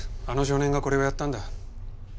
あの少年がこれをやったんだ。